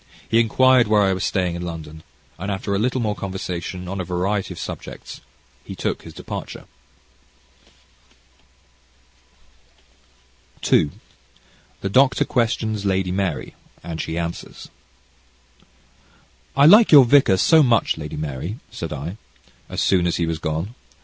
He inquired where I was staying in London, and after a little more conversation on a variety of subjects, he took his departure. CHAPTER II The Doctor Questions Lady Mary and She Answers "I like your vicar so much, Lady Mary," said I, as soon as he was gone.